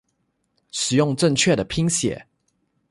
使用正确的拼写